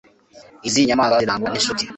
Izi nyamaswa zirangwa ninshuti